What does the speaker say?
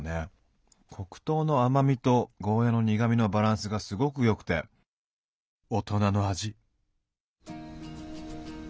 黒糖の甘みとゴーヤーの苦みのバランスがすごくよくて大人の味。